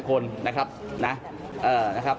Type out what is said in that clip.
ผมไม่อยู่กับคนหลายคนนะครับ